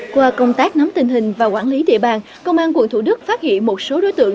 qua công tác nắm tình hình và quản lý địa bàn công an quận thủ đức phát hiện một số đối tượng